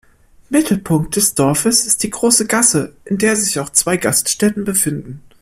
Mittelpunkt des Dorfes ist die Große Gasse, in der sich auch zwei Gaststätten befinden.